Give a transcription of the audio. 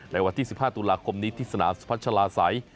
ในวันที่๑๕ตุลาคมนี้ที่สนามสุพัชลาศัย